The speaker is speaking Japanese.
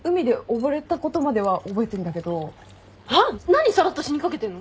何さらっと死にかけてんの！？